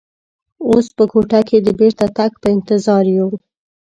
اوس په کوټه کې د بېرته تګ په انتظار یو.